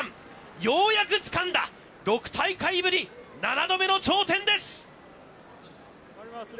ようやくつかんだ６大会ぶり、７度目の頂点です。